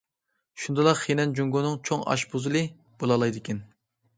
شۇندىلا خېنەن جۇڭگونىڭ« چوڭ ئاشپۇزۇلى» بولالايدىكەن.